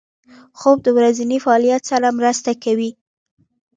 خوب د ورځني فعالیت سره مرسته کوي